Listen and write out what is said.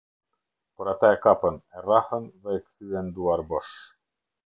Por ata e kapën, e rrahën dhe e kthyen duarbosh.